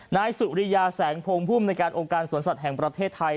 นายสุริยาแสงพงศ์ภูมิในการองค์การสวนสัตว์แห่งประเทศไทย